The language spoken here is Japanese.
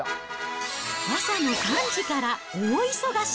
朝の３時から大忙し。